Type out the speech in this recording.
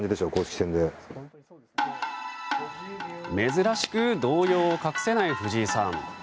珍しく動揺を隠せない藤井さん。